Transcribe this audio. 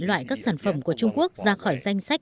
loại các sản phẩm của trung quốc ra khỏi danh sách